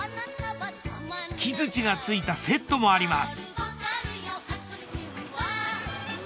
木づちが付いたセットもあります。